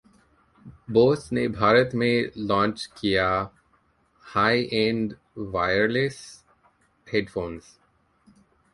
Bose ने भारत में लॉन्च किए हाई एंड वायरलेस हेडफोन्स